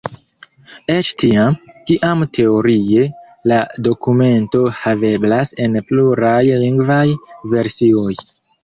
Eĉ tiam, kiam teorie la dokumento haveblas en pluraj lingvaj versioj.